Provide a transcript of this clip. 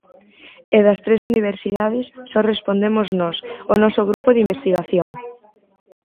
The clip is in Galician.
E das tres universidades, só respondemos nós, o noso grupo de investigación.